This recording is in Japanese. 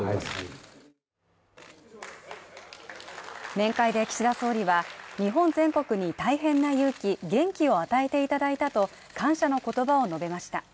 面会で岸田総理は日本全国に大変な勇気、元気を与えていただいたと感謝の言葉を述べました。